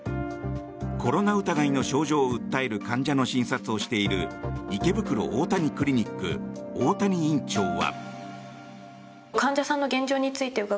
コロナ疑いの症状を訴える患者の診察をしている池袋大谷クリニック大谷院長は。